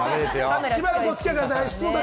しばらくお付き合いください。